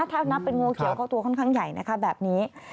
ถ้านับเป็นงูเขียวก็ตัวค่อนข้างใหญ่นะคะแบบนี้